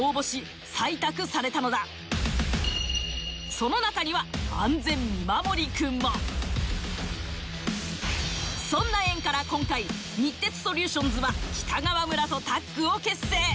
そのなかにはそんな縁から今回日鉄ソリューションズは北川村とタッグを結成。